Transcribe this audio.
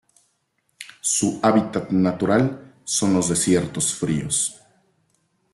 Su hábitat natural son los desiertos fríos.